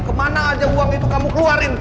kemana aja uang itu kamu keluarin